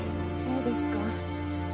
そうですか。